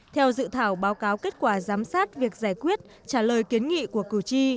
theo dự thảo báo cáo kết quả giám sát việc giải quyết trả lời kiến nghị của cử tri